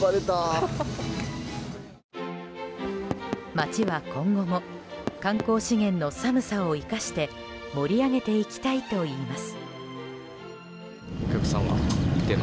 町は今後も観光資源の寒さを生かして盛り上げていきたいといいます。